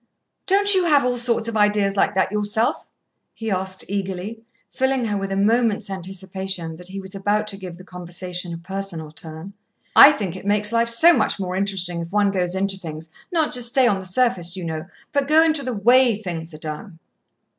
"Don't you have all sorts of ideas like that yourself?" he asked eagerly, filling her with a moment's anticipation that he was about to give the conversation a personal turn. "I think it makes life so much more interesting if one goes into things; not just stay on the surface, you know, but go into the way things are done."